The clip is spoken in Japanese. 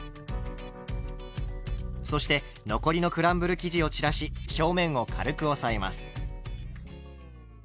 そして残りのクランブル生地を散らし表面を軽く押さえます。